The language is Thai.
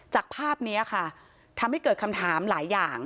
จากภาพนี้ค่ะทำให้เกิดคำถามหลายอย่าง